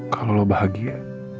kalau lo bahagia